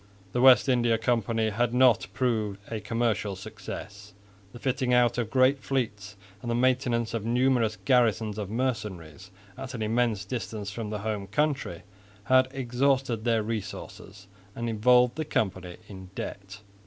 The West India Company had not proved a commercial success. The fitting out of great fleets and the maintenance of numerous garrisons of mercenaries at an immense distance from the home country had exhausted their resources and involved the company in debt.